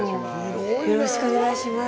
よろしくお願いします。